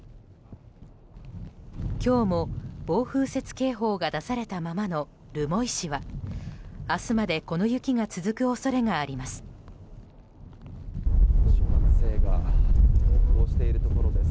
今日も暴風雪警報が出されたままの留萌市は明日までこの雪が続く恐れがあります。